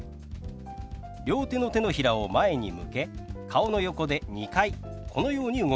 両手の手のひらを前に向け顔の横で２回このように動かします。